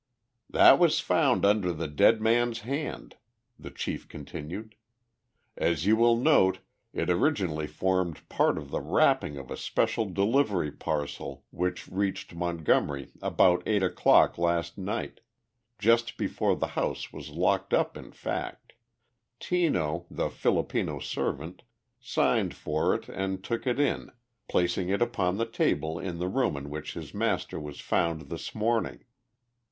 "That was found under the dead man's hand," the chief continued. "As you will note, it originally formed part of the wrapping of a special delivery parcel which reached Montgomery about eight o'clock last night just before the house was locked up, in fact. Tino, the Filipino servant, signed for it and took it in, placing it upon the table in the room in which his master was found this morning.